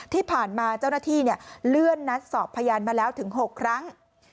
ที่ผ่านมาเจ้าหน้าที่เลื่อนนัดสอบพยานมาแล้วถึง๖ครั้ง